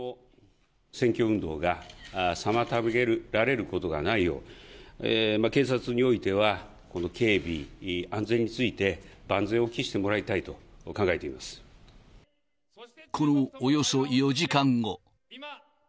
選挙運動が妨げられることがないよう、警察においてはこの警備、安全について万全を期してもらいたいとこのおよそ４時間後。